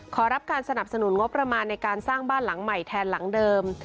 ขอรับการสนับสนุนงบประมาณในการสร้างบ้านหลังใหม่แทนหลังเดิม